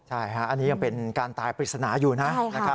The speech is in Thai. ใช่ค่ะอันนี้ยังเป็นการตายภิกษณะอยู่นะ